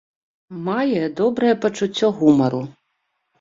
Мае добрае пачуцце гумару.